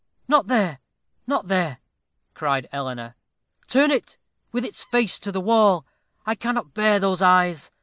"Not there not there," cried Eleanor; "turn it with its face to the wall. I cannot bear those eyes.